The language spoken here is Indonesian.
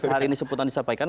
hari ini sebutan disampaikan